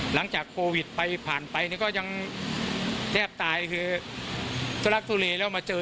หลังจากโควิดไปก็ยังแร